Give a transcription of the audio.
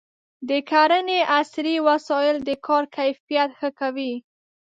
د کرنې عصري وسایل د کار کیفیت ښه کوي.